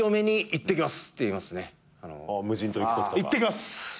いってきます！